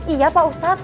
iya pak ustadz